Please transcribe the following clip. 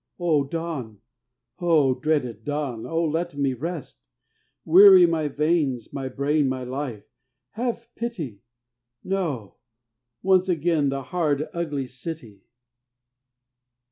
O dawn! O dreaded dawn! O let me rest! Weary my veins, my brain, my life, have pity! No! Once again the hard, the ugly city.